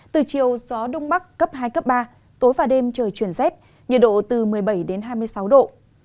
từ chiều gió đông bắc cấp hai cấp ba tối và đêm trời chuyển rét nhiệt độ từ một mươi bảy đến hai mươi sáu độ